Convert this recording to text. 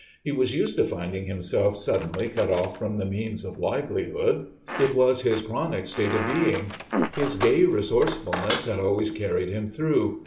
He was used to finding himself suddenly cut off from the means of livelihood. It was his chronic state of being. His gay resourcefulness had always carried him through.